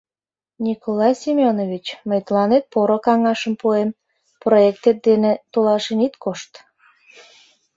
Николай Семёнович, мый тыланет поро каҥашым пуэм: проектет ден толашен ит кошт.